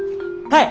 はい。